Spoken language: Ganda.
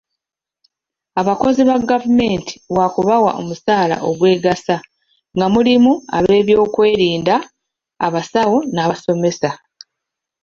Abakozi ba gavumenti wakubawa omusaala ogwegasa nga mulimu ab'ebyokwerinda, abasawo n'abasomesa.